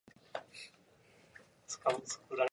The couple had twin daughters and a son.